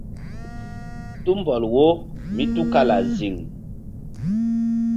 Tumbɔl wo mí tukala ziŋ.